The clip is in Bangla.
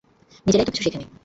নিজেরাই তো কিছু শেখে নি।